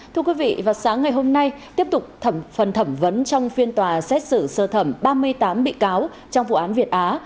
thưa quý vị vào sáng ngày hôm nay tiếp tục phần thẩm vấn trong phiên tòa xét xử sơ thẩm ba mươi tám bị cáo trong vụ án việt á